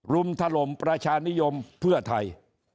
ถล่มประชานิยมเพื่อไทย